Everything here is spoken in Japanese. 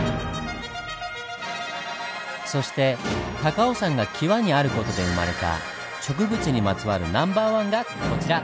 そして高尾山がキワにある事で生まれた植物にまつわるナンバーワンがこちら！